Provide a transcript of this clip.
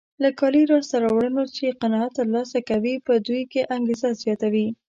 له کاري لاسته راوړنو چې قناعت ترلاسه کوي په دوی کې انګېزه زیاتوي.